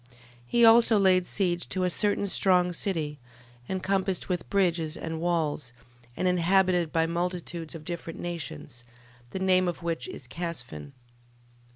12:13. He also laid siege to a certain strong city, encompassed with bridges and walls, and inhabited by multitudes of different nations, the name of which is Casphin.